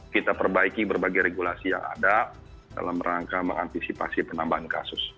kita perbaiki berbagai regulasi yang ada dalam rangka mengantisipasi penambahan kasus